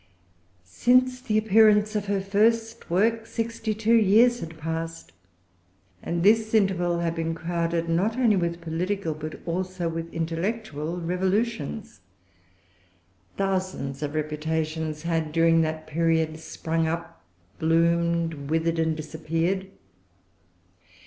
Since the appearance of her first work, sixty two years had passed; and this interval had been crowded, not only with political, but also with intellectual revolutions. Thousands of reputations had, during that period, sprung up, bloomed, withered, and disappeared.